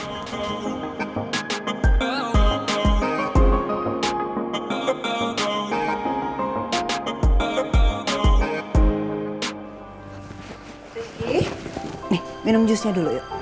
suki nih minum jusnya dulu yuk